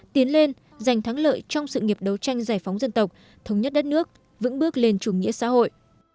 tiến lên giành thắng lợi trong sự nghiệp đấu tranh giải phóng dân tộc thống nhất đất nước vững bước lên chủ nghĩa xã hội